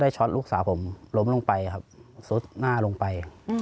ช็อตลูกสาวผมล้มลงไปครับซุดหน้าลงไป